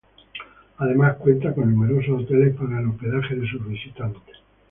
Además, cuenta con numerosos hoteles para el hospedaje de sus visitantes.